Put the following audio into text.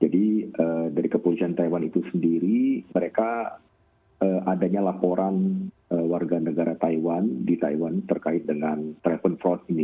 jadi dari kepolisian taiwan itu sendiri mereka adanya laporan warga negara taiwan di taiwan terkait dengan telepon fraud ini